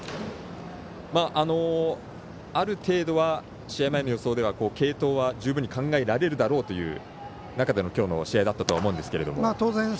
ある程度は試合前の予想では継投は十分に考えられるだろうという中での今日の試合だったと思いますが。